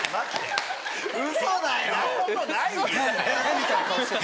みたいな顔してて。